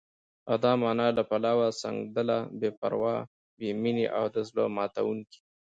او د مانا له پلوه، سنګدله، بې پروا، بې مينې او د زړه ماتوونکې